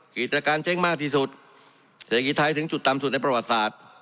กิจการเจ๊งมากที่สุดเศรษฐกิจไทยถึงจุดต่ำสุดในประวัติศาสตร์